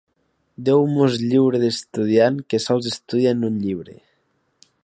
Déu mos lliure d'estudiant que sols estudia en un llibre.